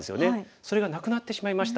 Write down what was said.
それがなくなってしまいました。